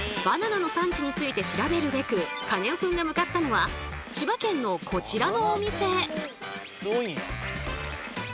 バナナの産地について調べるべくカネオくんが向かったのは千葉県のこちらのお店。